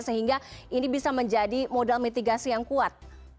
sehingga ini bisa menjadi modal mitigasi yang kuat